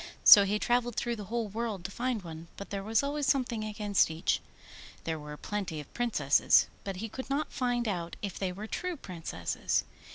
So he travelled through the whole world to find one, but there was always something against each. There were plenty of Princesses, but he could not find out if they were true Princesses.